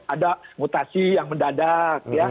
ada mutasi yang mendadak